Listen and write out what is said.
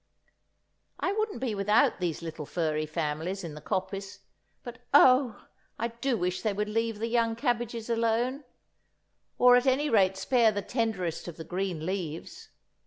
I wouldn't be without these little furry families in the coppice, but oh, I do wish they would leave the young cabbages alone, or at any rate spare the tenderest of the green leaves!